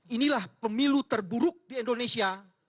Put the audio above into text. inilah pemilu terburuk di indonesia